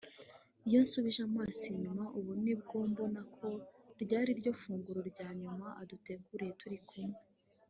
Iyo nsubije amaso inyuma ubu ni bwo mbona ko ryari ryo funguro rya nyuma aduteguriye turi kumwe